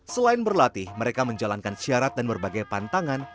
selain berlatih mereka menjalankan syarat dan berbagai pantangan